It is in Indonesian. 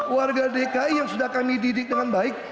warga dki yang sudah kami didik dengan baik